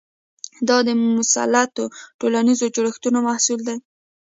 دا د مسلطو ټولنیزو جوړښتونو محصول دی.